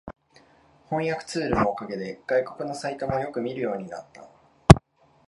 翻訳ツールのおかげで外国のサイトもよく見るようになった